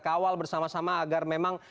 kawal bersama sama agar memang